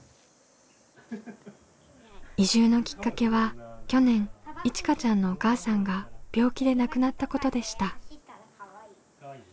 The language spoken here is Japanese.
移住のきっかけは去年いちかちゃんのお母さんが病気で亡くなったことでした。